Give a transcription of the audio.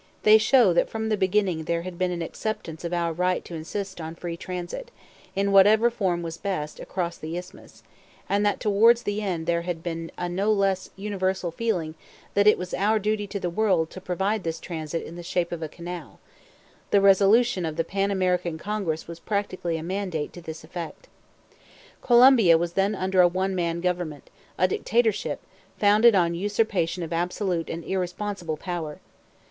They show that from the beginning there had been acceptance of our right to insist on free transit, in whatever form was best, across the Isthmus; and that towards the end there had been a no less universal feeling that it was our duty to the world to provide this transit in the shape of a canal the resolution of the Pan American Congress was practically a mandate to this effect. Colombia was then under a one man government, a dictatorship, founded on usurpation of absolute and irresponsible power.